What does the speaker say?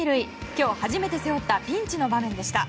今日初めて背負ったピンチの場面でした。